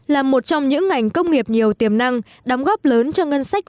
là một trong những ngành công nghiệp nhiều tiềm năng đóng góp lớn cho ngân sách